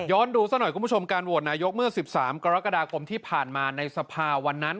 ดูซะหน่อยคุณผู้ชมการโหวตนายกเมื่อ๑๓กรกฎาคมที่ผ่านมาในสภาวันนั้น